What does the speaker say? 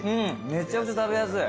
めちゃくちゃ食べやすい。